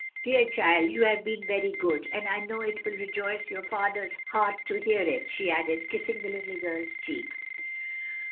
Dear child, you have been very good, and I know it will rejoice your father's heart to hear it," she added, kissing the little girl's cheek.